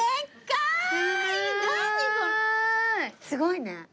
すごいね。